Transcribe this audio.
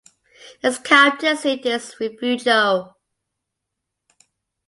Its county seat is Refugio.